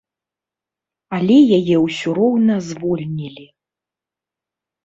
Але яе ўсё роўна звольнілі.